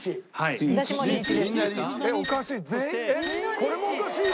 これもおかしいよね？